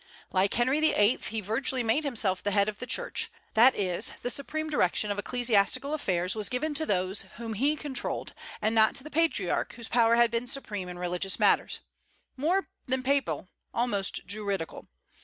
Like Henry VIII., he virtually made himself the head of the Church, that is, the supreme direction of ecclesiastical affairs was given to those whom he controlled, and not to the Patriarch, whose power had been supreme in religious matters, more than Papal, almost Druidical.